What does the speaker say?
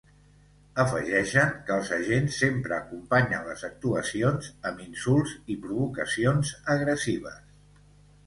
Afegeixen que els agents sempre acompanyen les actuacions amb “insults i provocacions agressives”.